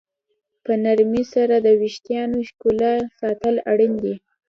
په نرمۍ سره د ویښتانو ښکلا ساتل اړین دي.